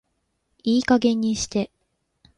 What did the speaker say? いい加減にして